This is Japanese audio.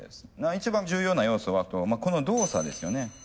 一番重要な要素はこの動作ですよね。